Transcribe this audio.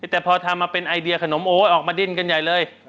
แต่พอทำมาเป็นไอเดียขนมโอ๊ยออกมาดิ้นกันใหญ่เลย